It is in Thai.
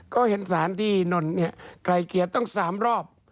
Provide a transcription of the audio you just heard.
ก็เห็นสารที่นอนนี่ไก่เกลี่ยต้อง๓รอบ